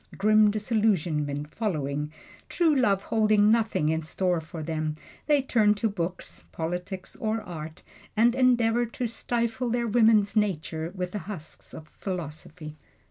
Grim disillusionment following, true love holding nothing in store for them, they turn to books, politics or art, and endeavor to stifle their woman's nature with the husks of philosophy.